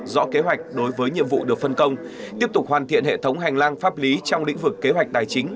rõ kế hoạch đối với nhiệm vụ được phân công tiếp tục hoàn thiện hệ thống hành lang pháp lý trong lĩnh vực kế hoạch tài chính